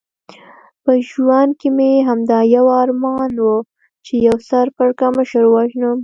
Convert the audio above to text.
په ژوند کې مې همدا یو ارمان و، چې یو سر پړکمشر ووژنم.